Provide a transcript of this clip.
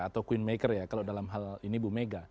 atau queenmaker ya kalau dalam hal ini bu mega